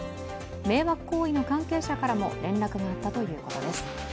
迷惑行為の関係者からも連絡があったというこどてす。